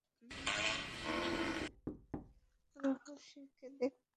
নজর ঘুরিয়ে ওয়াহশীকে দেখতে পান।